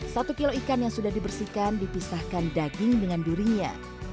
satu kilo ikan yang sudah dibersihkan dipisahkan daging dengan durinya